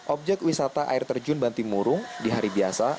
objek wisata air terjun bantimurung di hari biasa